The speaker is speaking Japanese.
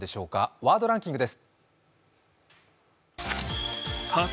「ワードランキング」です。